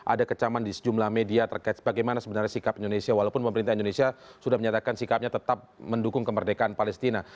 ada kecaman di sejumlah media terkait bagaimana sebenarnya sikap indonesia walaupun pemerintah indonesia sudah menyatakan sikapnya tetap mendukung kemerdekaan palestina